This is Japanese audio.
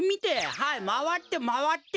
はいまわってまわって！